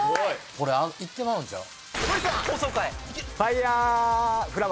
これいってまうんちゃう？